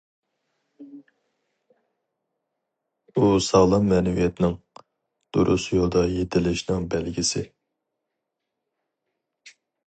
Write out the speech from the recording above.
ئۇ ساغلام مەنىۋىيەتنىڭ، دۇرۇس يولدا يېتىلىشنىڭ بەلگىسى.